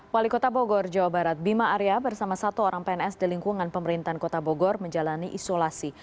wali kota bogor jawa barat bima arya bersama satu orang pns di lingkungan pemerintahan kota bogor menjalani isolasi